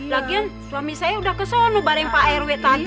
lagian suami saya udah kesono bareng pak rw tadi